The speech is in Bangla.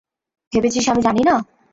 ভেবেছিস আমি জানি না?